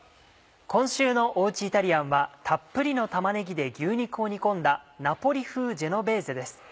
今週のおうちイタリアンはたっぷりの玉ねぎで牛肉を煮込んだナポリ風ジェノベーゼです。